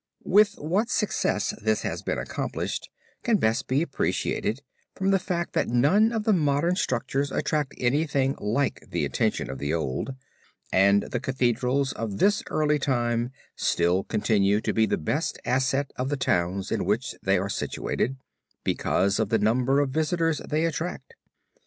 With what success this has been accomplished can best be appreciated from the fact, that none of the modern structures attract anything like the attention of the old, and the Cathedrals of this early time still continue to be the best asset of the towns in which they are situated, because of the number of visitors they attract.